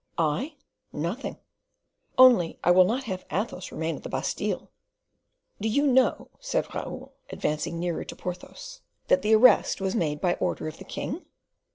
"I? Nothing; only I will not have Athos remain at the Bastile." "Do you know," said Raoul, advancing nearer to Porthos, "that the arrest was made by order of the king?"